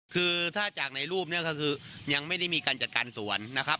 คือถ้าจากในรูปเนี่ยก็คือยังไม่ได้มีการจัดการสวนนะครับ